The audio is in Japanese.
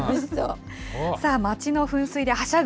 さあ、町の噴水ではしゃぐ